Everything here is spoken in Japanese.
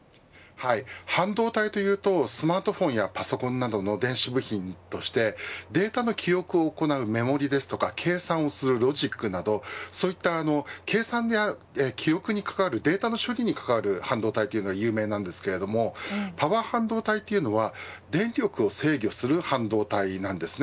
半導体というとスマートフォンやパソコンなどの電子部品としてデータの記憶を行うメモリですとか、計算をするロジックなどそういった計算や記憶に関わるデータの処理に関わる半導体というのが有名なんですけどもパワー半導体というのは電力を制御する半導体なんですね。